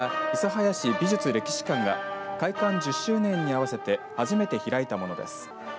これは諫早市美術・歴史館が開館１０周年に合わせて初めて開いたものです。